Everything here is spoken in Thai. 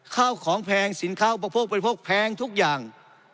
ข้าวของแพงสินข้าวประโยชน์ประโยชน์แพงทุกอย่าง